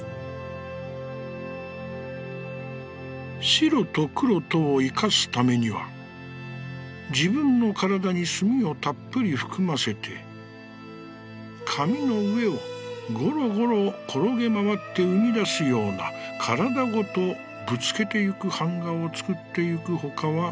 「白と黒とを生かすためには、自分のからだに墨をたっぷり含ませて、紙の上をごろごろ転げまわって生み出すようなからだごとぶつけてゆく板画をつくってゆくほかはない」。